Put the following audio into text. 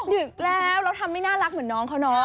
ดึกแล้วเราทำไม่น่ารักเหมือนน้องเขาเนาะ